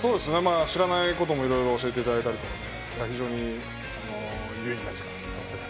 知らないこともいろいろ教えていただいたりとか非常に有意義な時間でした。